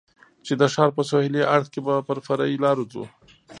چې د ښار په سهېلي اړخ کې به پر فرعي لارو ځو.